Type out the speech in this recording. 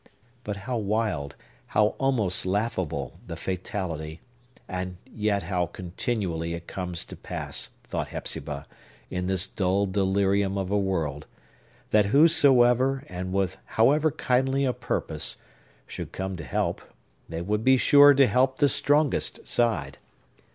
But how wild, how almost laughable, the fatality,—and yet how continually it comes to pass, thought Hepzibah, in this dull delirium of a world,—that whosoever, and with however kindly a purpose, should come to help, they would be sure to help the strongest side!